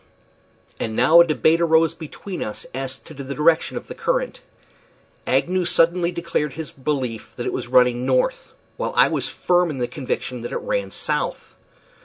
And now a debate arose between us as to the direction of this current. Agnew suddenly declared his belief that it was running north, while I was firm in the conviction that it ran south.